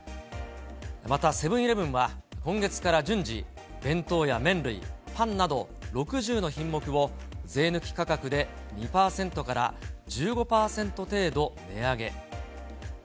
またセブンーイレブンは、今月から順次、弁当や麺類、パンなど、６０の品目を税抜き価格で２％から１５％程度値上げ。